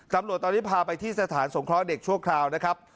ตำรวจตอนนี้พาไปที่สถานสงเคราะห์เด็กชั่วคราวนะครับ